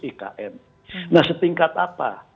ikn nah setingkat apa